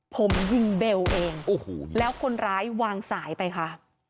ผมยิงเบลเองโอ้โหแล้วคนร้ายวางสายไปค่ะ